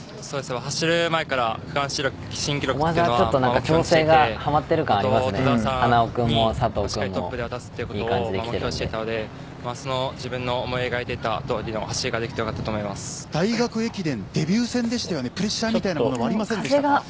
走る前から区間新記録というのは目標にしていてあと、田澤さんにトップでたすきを渡すということを目標にしていたので自分が思い描いた通りの大学駅伝、デビュー戦でしたがプレッシャーみたいなものはありませんでしたか？